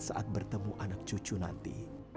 saat bertemu anak cucu nanti